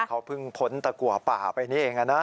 เขาเพิ่งพ้นตะกัวป่าไปนี่เองนะ